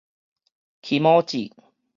起毛字